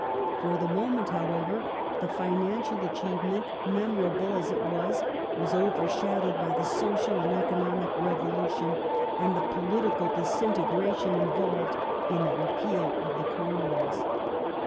For the moment, however, the financial achievement, memorable as it was, was overshadowed by the social and economic revolution, and the political disintegration involved in the repeal of the Corn Laws.